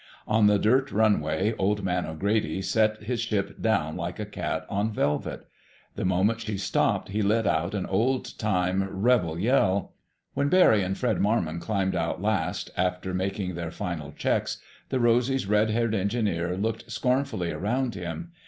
On the dirt runway Old Man O'Grady set his ship down like a cat on velvet. The moment she stopped he let out an old time "rebel" yell. When Barry and Fred Marmon climbed out last, after making their final checks, the Rosy's red haired engineer looked scornfully around him.